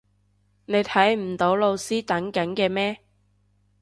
你睇唔到老師等緊嘅咩？